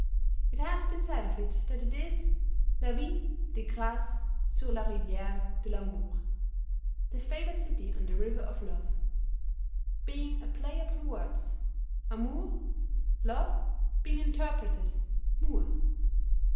It has been said of it that it is "La Ville des Grâces sur la rivière de l'Amour" (the favored city on the river of Love) being a play upon words, amour (love) being interpreted Mur.